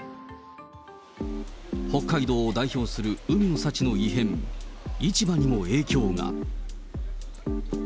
北海道を代表する海の幸の異変、市場にも影響が。